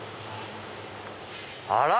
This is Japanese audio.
あら！